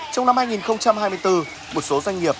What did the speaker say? trong năm hai nghìn hai mươi bốn một số doanh nghiệp